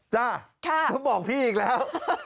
จ้ะเธอบอกพี่อีกแล้ว